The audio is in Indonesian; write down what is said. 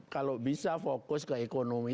kalau bisa fokus ke ekonomi